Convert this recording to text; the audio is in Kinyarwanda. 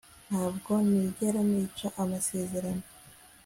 Ntabwo nigera nica amasezerano